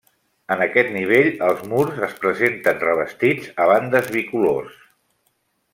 En aquest nivell els murs es presenten revestits a bandes bicolors.